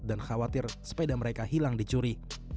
dan khawatir sepeda mereka hilang dicuri